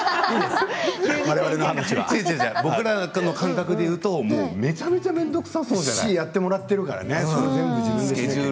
僕らの感覚でいうとめちゃめちゃ好きにやってもらっているからね。